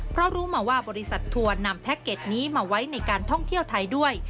เพราะรู้มาว่าบริษัททัวร์นำแพ็คเก็ตนี้มาไว้ในการท่องเที่ยวไทยด้วย